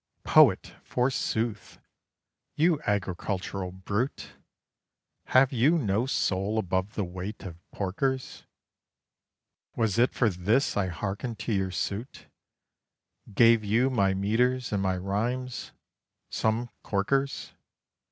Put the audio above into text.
"Poet, forsooth! You agricultural brute! Have you no soul above the weight of porkers? Was it for this I hearkened to your suit, Gave you my metres and my rhymes some, corkers?